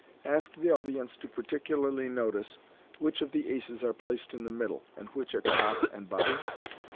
Ask the audience to particularly notice which of the aces are placed in the middle, and which at top and bottom.